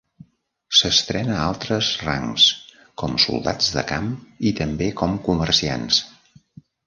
S'entrena a altres rangs com soldats de camp i també com comerciants.